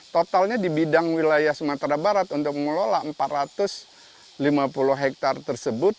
totalnya di bidang wilayah sumatera barat untuk mengelola empat ratus lima puluh hektare tersebut